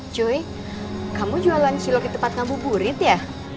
cuy kamu jual lansilok di tempat ngamu burit ya